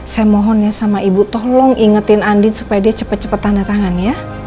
saya mohonnya sama ibu tolong ingetin andin supaya dia cepat cepat tanda tangan ya